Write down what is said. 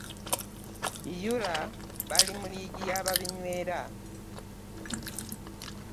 URA bali mu liigi ya babinwera.